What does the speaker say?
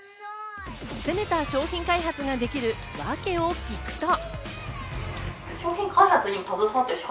攻めた商品開発ができる訳を聞くと。